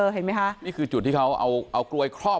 เห็นไหมคะนี่คือจุดที่เขาเอากลวยครอบ